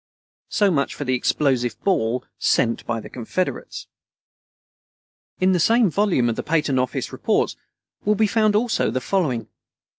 So much for the explosive ball "sent by the Confederates." In the same volume of the Patent Office Reports will be found also the following: No.